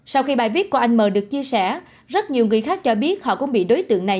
sau khi bài viết của anh m được chia sẻ rất nhiều người khác cho biết họ cũng bị đối tượng này